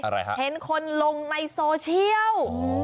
อะไรครับเห็นคนลงในโซเชียล